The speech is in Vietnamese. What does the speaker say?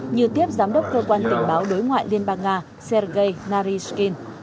như tiếp giám đốc cơ quan tình báo đối ngoại liên bang nga sergei narishkin